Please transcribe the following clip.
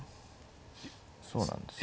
そうなんですよね。